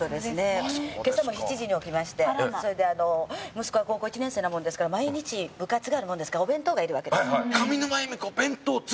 今朝も７時に起きましてそれで息子が高校１年生なもんですから毎日部活があるもんですからお弁当がいるわけです。